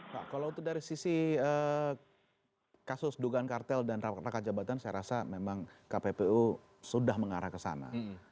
pak kalau itu dari sisi kasus dugaan kartel dan rangkap jabatan saya rasa memang kppu sudah mengarah ke sana